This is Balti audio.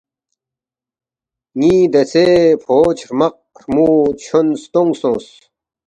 ن٘ی دیژے فوج ہرمق ہرمُو چھون ستونگ سونگس